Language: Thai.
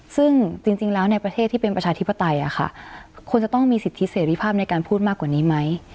ซึ่งจริงแล้วในประเทศที่เป็นประชาธิปไตยควรจะต้องมีสิทธิเสรีภาพในการพูดมากกว่านี้ไหม